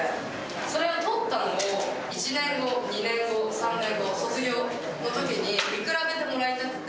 それを撮ったのを、１年後、２年後、３年後、卒業のときに、見比べてもらいたくて。